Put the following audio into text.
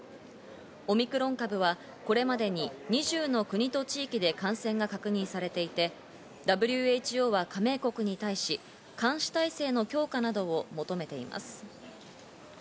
オミクロン株はこれまでに２０の国と地域で感染が確認されていて、ＷＨＯは加盟国に対し、監視体制の強化などを求めています。